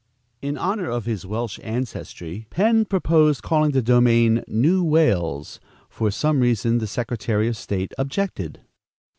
In honor of his Welch ancestry, Penn proposed calling the domain "New Wales;" but for some reason the secretary of state objected.